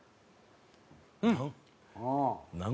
うん！